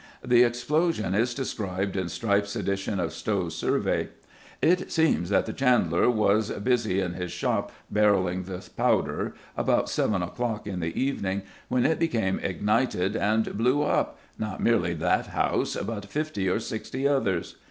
The explosion is described in Strype's edition of Stow's Survey. "It seems that the chandler was busy in his shop barrelling the powder, about seven o'clock in the evening, when it became ignited and blew up, not merely that house, but fifty or sixty others.